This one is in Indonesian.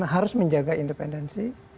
harus menjaga independensi